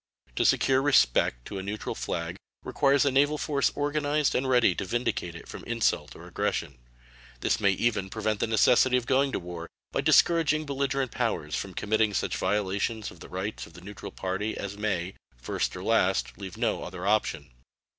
To secure respect to a neutral flag requires a naval force organized and ready to vindicate it from insult or aggression. This may even prevent the necessity of going to war by discouraging belligerent powers from committing such violations of the rights of the neutral party as may, first or last, leave no other option.